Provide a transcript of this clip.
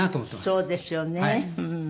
そうですよねうん。